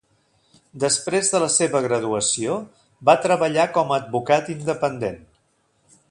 Després de la seva graduació, va treballar com a advocat independent.